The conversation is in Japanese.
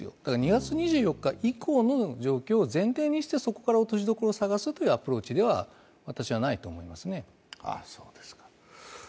２月２４日以降の状況を前提にしてそこから落としどころを探すというアプローチではないと私は思いますね。